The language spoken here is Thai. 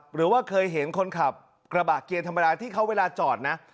หรือว่าเคยเห็นคนขับกระบะเกียร์ธรรมดาที่เขาเวลาจอดนะ